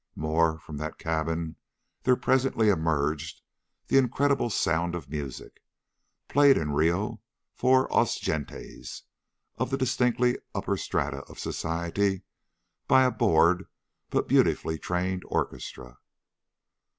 More, from that cabin there presently emerged the incredible sound of music, played in Rio for os gentes of the distinctly upper strata of society by a bored but beautifully trained orchestra.